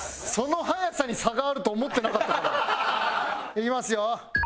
いきますよ。